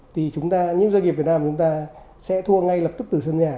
thì chúng ta như doanh nghiệp việt nam chúng ta sẽ thua ngay lập tức từ sân nhà